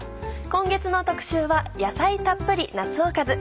今月の特集は「野菜たっぷり夏おかず」。